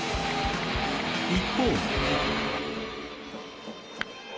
一方。